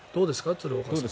鶴岡さん。